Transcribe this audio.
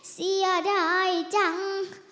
เสียร้อยจัง